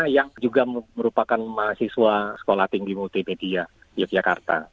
yang juga merupakan mahasiswa sekolah tinggi multimedia yogyakarta